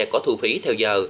có thu phí theo giờ